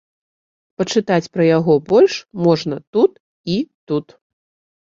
Пачытаць пра яго больш можна тут і тут.